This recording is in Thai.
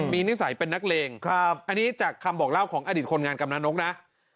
มีนิสัยเป็นนักเลงอันนี้จากคำบอกเล่าของอดีตคนงานกำนันนกนะ